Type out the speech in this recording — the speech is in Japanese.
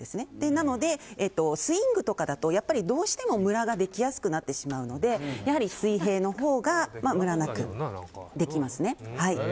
なので、スイングとかだとどうしてもムラができやすくなってしまうので水平のほうがムラなくできます。